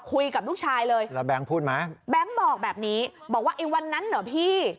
คุยกับลูกชายเลยแล้วแบงค์พูดไหมแบงค์บอกแบบนี้บอกว่าไอ้วันนั้นเหรอพี่